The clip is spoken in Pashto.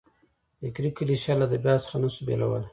فکري کلیشه له ادبیاتو څخه نه سو بېلولای.